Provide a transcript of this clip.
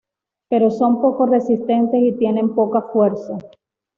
Pero son poco resistentes y tienen poca fuerza.